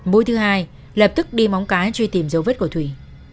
mũi thứ hai lập tức đi móng cái truy tìm dấu vết của thủy